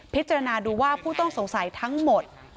พิจารณาดูว่าผู้ต้องสงสัยทั้งหมด